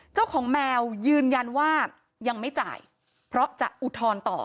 เจ้าของแมวยืนยันว่ายังไม่จ่ายเพราะจะอุทธรณ์ต่อ